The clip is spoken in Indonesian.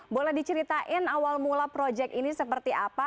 boleh diceritain awal mula proyek ini seperti apa